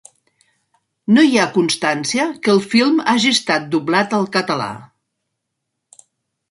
No hi ha constància que el film hagi estat doblat al català.